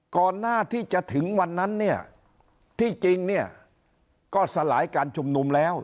ก่อนหน้าที่จะถึงวันนั้นเนี่ยที่จริงเนี่ยก็สลายการชุมนุมแล้ว